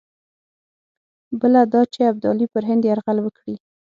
بله دا چې ابدالي پر هند یرغل وکړي.